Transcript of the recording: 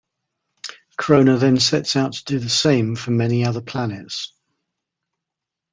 Krona then sets out to do the same for many other planets.